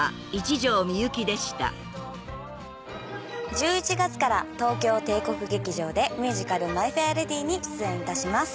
１１月から東京帝国劇場でミュージカル『マイ・フェア・レディ』に出演いたします。